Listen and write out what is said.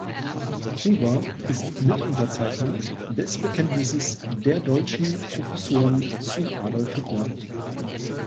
Huber ist Mitunterzeichner des Bekenntnisses der deutschen Professoren zu Adolf Hitler.